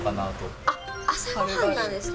朝ごはんなんですか？